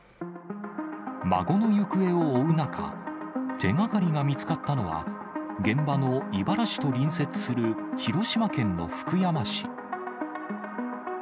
孫の行方を追う中、手がかりが見つかったのは、現場の井原市と隣接する広島県の福山市。